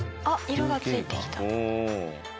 色がついてきた。